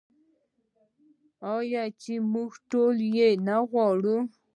آیا چې موږ ټول یې نه غواړو؟